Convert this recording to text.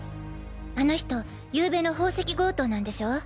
あの人昨晩の宝石強盗なんでしょ？